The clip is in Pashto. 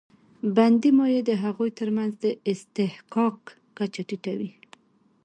بندي مایع د هغوی تر منځ د اصطحکاک کچه ټیټوي.